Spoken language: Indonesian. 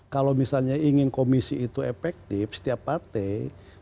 kalau misalnya ingin komisi itu efektif setiap partai